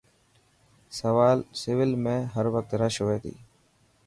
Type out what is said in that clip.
سول ۾ هروقت رش هئي تي.